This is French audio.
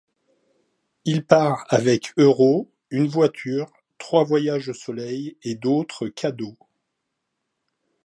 Il part avec €, une voiture, trois voyages au soleil, et d'autres cadeaux.